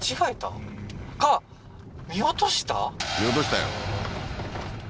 うん見落としたよ